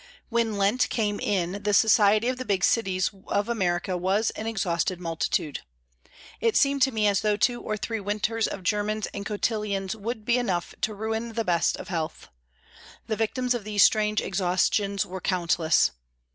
When Lent came in the society of the big cities of America was an exhausted multitude. It seemed to me as though two or three winters of germans and cotillions would be enough to ruin the best of health. The victims of these strange exhaustions were countless.